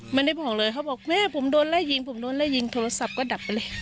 ไม่ได้บอกเลยเขาบอกแม่ผมโดนไล่ยิงผมโดนไล่ยิงโทรศัพท์ก็ดับไปเลย